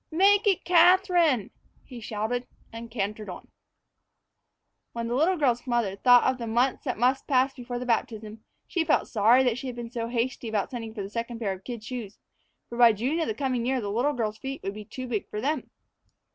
"Make it Catherine!" he shouted, and cantered on. When the little girl's mother thought of the months that must pass before the baptism, she felt sorry that she had been so hasty about sending for the second pair of kid shoes; for by June of the coming year the little girl's feet would be too big for them.